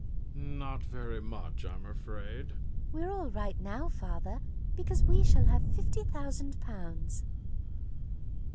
Not very much, I'm afraid. VIOLA. We're all right now, father, because we shall have fifty thousand pounds.